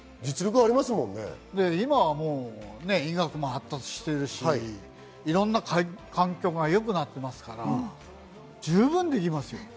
今、医学も発達しているし、いろんな環境が良くなっていますから十分できます。